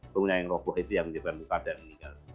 bangunan yang rohboh itu yang menyebabkan muka dan meninggal